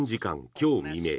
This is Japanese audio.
今日未明